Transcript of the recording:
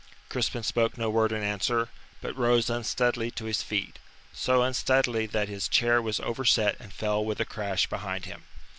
Crispin spoke no word in answer, but rose unsteadily to his feet, so unsteadily that his chair was overset and fell with a crash behind him.